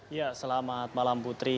ya selamat malam putri